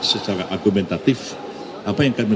secara argumentatif apa yang kami